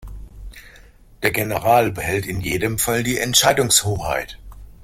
Der General behält in jedem Fall die Entscheidungshoheit.